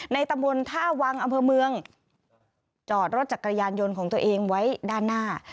ตำบลท่าวังอำเภอเมืองจอดรถจักรยานยนต์ของตัวเองไว้ด้านหน้า